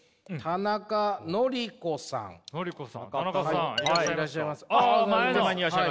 田中さんいらっしゃいますか？